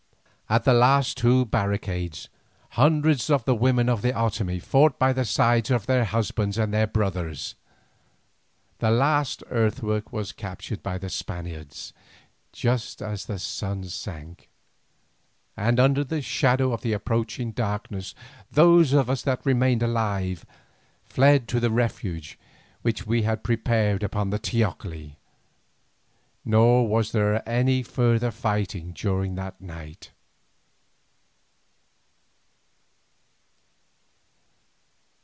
At the two last barricades, hundreds of the women of the Otomie fought by the sides of their husbands and their brothers. The last earthwork was captured by the Spaniards just as the sun sank, and under the shadow of approaching darkness those of us that remained alive fled to the refuge which we had prepared upon the teocalli, nor was there any further fighting during that night.